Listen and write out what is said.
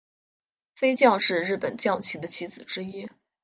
飞将是日本将棋的棋子之一。